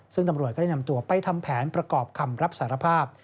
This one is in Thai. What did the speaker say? ซึ่งตำรวจก็ได้นำตัวไปทำแผนประกอบคำรับสารภาพ